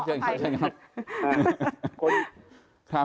เชิญครับ